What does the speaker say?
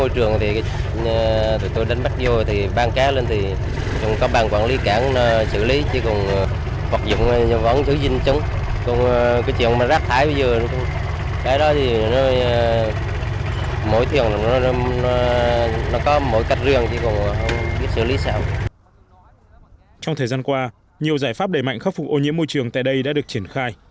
trong thời gian qua nhiều giải pháp đầy mạnh khắc phục ô nhiễm môi trường tại đây đã được triển khai